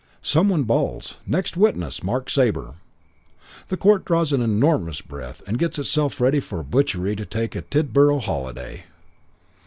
"Some one bawls, 'Next witness. Mark Sabre.' "Court draws an enormous breath and gets itself ready for butchery to make a Tidborough holiday."